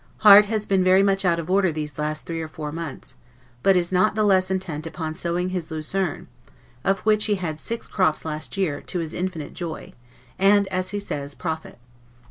Harte has been very much out of order these last three or four months, but is not the less intent upon sowing his lucerne, of which he had six crops last year, to his infinite joy, and, as he says, profit.